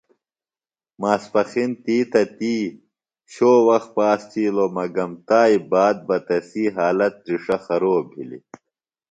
ماسپخِن تی تہ تی شو وخت پاس تِھیلوۡ مگم تائی باد بہ تسی حالت تِرݜہ خروب بِھلیۡ۔